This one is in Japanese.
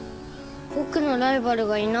僕のライバルがいない。